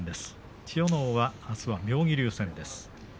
千代ノ皇はあすは妙義龍戦です。